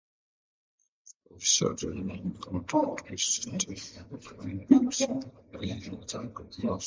When his publisher, Julian, comes to visit, Julian finds himself attracted to Rose.